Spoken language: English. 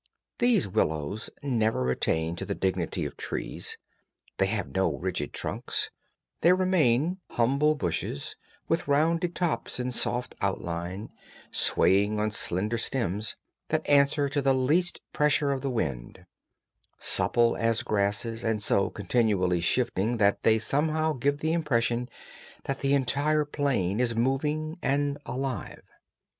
These willows never attain to the dignity of trees; they have no rigid trunks; they remain humble bushes, with rounded tops and soft outline, swaying on slender stems that answer to the least pressure of the wind; supple as grasses, and so continually shifting that they somehow give the impression that the entire plain is moving and alive.